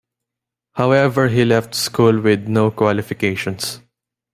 However, he left school with no qualifications.